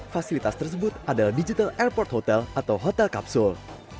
fasilitas tersebut adalah digital airport hotel atau hotel kapsul